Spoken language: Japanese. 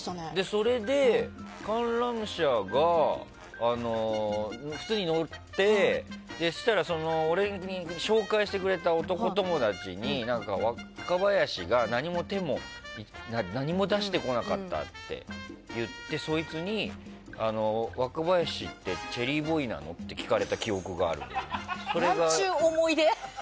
それで、観覧車が普通に乗って、そしたら俺に紹介してくれた男友達に若林が、何も手も出してこなかったって言ってそいつに、若林ってチェリーボーイなの？ってなんちゅう思い出。